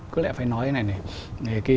có lẽ phải nói cái này này